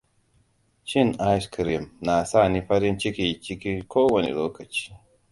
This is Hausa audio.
Cin ice cream na sani farin ciki kowane lokaci.